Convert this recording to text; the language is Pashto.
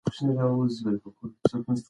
غلیم ته غشی تر دوست قربان یم.